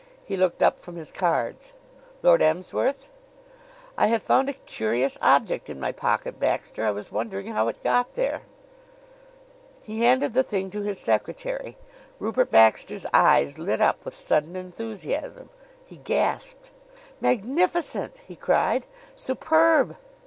He looked up from his cards. "Lord Emsworth?" "I have found a curious object in my pocket, Baxter. I was wondering how it got there." He handed the thing to his secretary. Rupert Baxter's eyes lit up with sudden enthusiasm. He gasped. "Magnificent!" he cried. "Superb!"